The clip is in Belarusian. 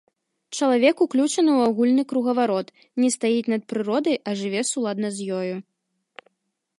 Чалавек уключаны ў агульны кругаварот, не стаіць над прыродай, а жыве суладна з ёю.